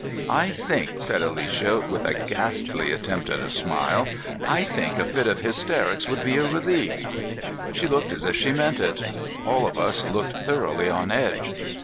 "I think," said Alicia, with a ghastly attempt at a smile, "I think a fit of hysterics would be a relief." She looked as if she meant it. All of us looked thoroughly on edge.